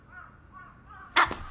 あっ！